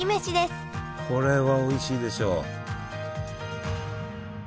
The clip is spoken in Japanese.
これはおいしいでしょう。